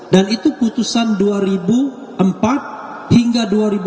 dan itu putusan dua ribu empat hingga dua ribu sembilan belas